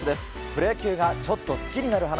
プロ野球がちょっと好きになる話。